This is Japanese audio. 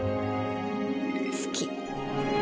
好き。